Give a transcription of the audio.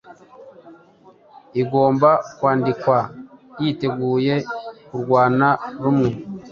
igomba kwandikwa yiteguye kurwana rumwe